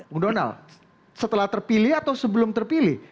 bung donald setelah terpilih atau sebelum terpilih